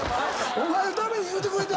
お前のために言うてくれてんねや。